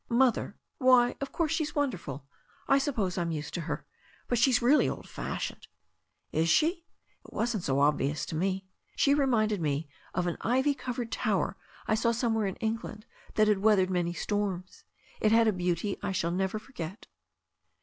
"Mother, why, of course, she's wonderful. I suppose Fm used to her. But she's really old fashioned." "Is she? It wasn't so obvious to me. She reminded me of an ivy covered tower I saw somewhere in England that had weathered many storms. It had a beauty I shall never forget."